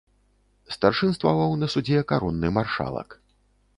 Старшынстваваў на судзе каронны маршалак.